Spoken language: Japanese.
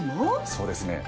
そうですね。